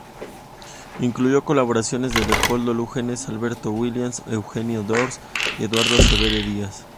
Incluyó colaboraciones de Leopoldo Lugones, Alberto Williams, Eugenio d'Ors y Eduardo Acevedo Díaz.